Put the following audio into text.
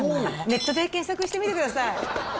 ネットで検索してみてください